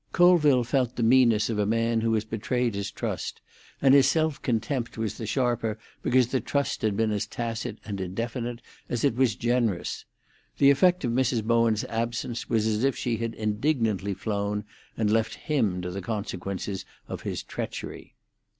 Colville felt the meanness of a man who has betrayed his trust, and his self contempt was the sharper because the trust had been as tacit and indefinite as it was generous. The effect of Mrs. Bowen's absence was as if she had indignantly flown, and left him to the consequences of his treachery.